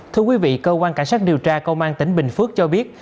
thưa quý vị cơ quan cảnh sát điều tra công an tỉnh bình phước cho biết